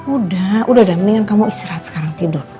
udah udah dah mendingan kamu istirahat sekarang tidur ya